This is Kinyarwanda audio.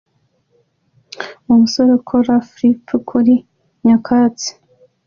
Umusore ukora flip kuri nyakatsi